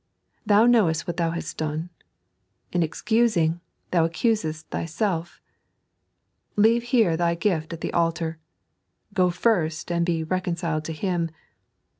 Thou knowefit what thou hast done. In excusing, thou accusest thyself. Leave here thy gift at the altar. Go first, and be reconciled to him.